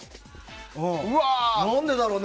なんでだろうね。